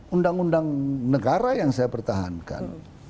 undang undang negara yang saya pertahankan